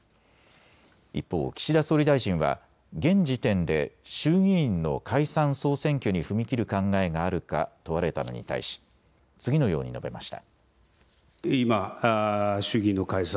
一方、岸田総理大臣は現時点で衆議院の解散総選挙に踏み切る考えがあるか問われたのに対し次のように述べました。